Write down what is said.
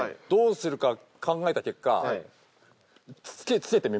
どうするか考えた結果。